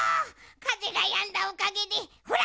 かぜがやんだおかげでほら！